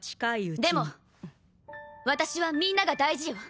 でも私はみんなが大事よ。